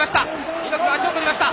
猪木が足を取りました！